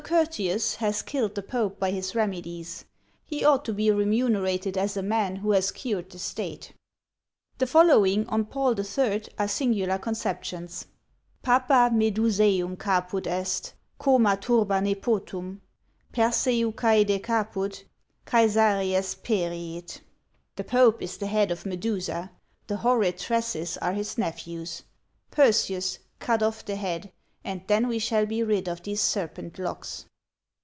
Curtius has killed the pope by his remedies; he ought to be remunerated as a man who has cured the state." The following, on Paul III., are singular conceptions: Papa Medusæum caput est, coma turba Nepotum; Perseu cæde caput, Cæsaries periit. "The pope is the head of Medusa; the horrid tresses are his nephews; Perseus, cut off the head, and then we shall be rid of these serpent locks."